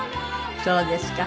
そうですか。